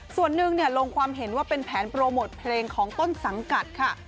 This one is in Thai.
ส่วนหนึ่งลงความเห็นว่าเป็นแผนโปรโมทเพลงของต้นสังกัดค่ะ